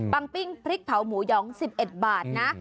ปิ้งพริกเผาหมูหยอง๑๑บาทนะ